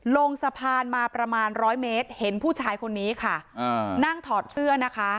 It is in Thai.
ลงสะพานมาประมาณร้อยเมตรเห็นผู้ชายคนนี้ค่ะอ่านั่งถอดเสื้อนะคะ